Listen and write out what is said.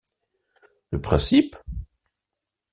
Le principe?